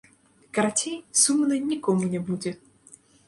Карацей, сумна нікому не будзе!!!